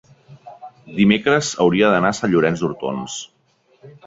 dimecres hauria d'anar a Sant Llorenç d'Hortons.